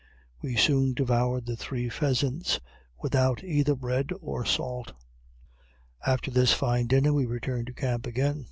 We soon devoured the three pheasants without either bread or salt. After this fine dinner we returned to camp again.